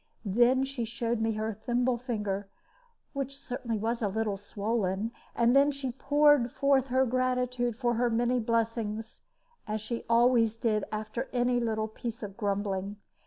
Then she showed me her thimble finger, which certainly was a little swollen; and then she poured forth her gratitude for her many blessings, as she always did after any little piece of grumbling.